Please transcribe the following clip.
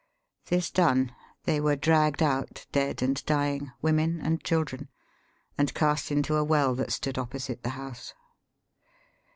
This done, they were dragged out dead and dying, women and children, and cast into a well that stood opposite the house.